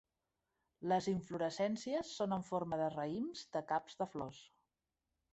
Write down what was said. Les inflorescències són en forma de raïms de caps de flors.